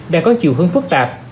đang có chiều hướng phức tạp